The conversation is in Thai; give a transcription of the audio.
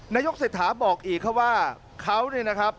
นายกเศรษฐาบอกอีกว่าเขา